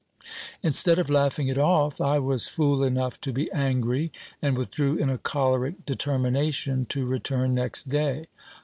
Instead of laughing it off, I was fool enough to be angry, and withdrew in a choleric determination to return next day.